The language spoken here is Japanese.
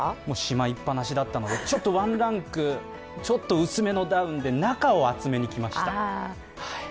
もうしまいっぱなしだったので、ちょっとワンランク薄めのダウンで中を厚めに着ました。